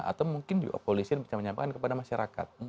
atau mungkin juga polisi yang bisa menyampaikan kepada masyarakat